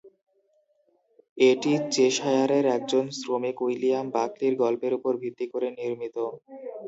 এটি চেশায়ারের একজন শ্রমিক উইলিয়াম বাকলির গল্পের উপর ভিত্তি করে নির্মিত।